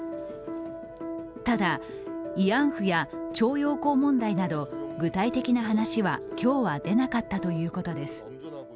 ただ、慰安婦や徴用工問題など具体的な話は今日は出なかったということです。